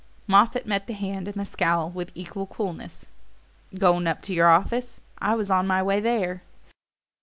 Moffatt met the hand and the scowl with equal coolness. "Going up to your office? I was on my way there."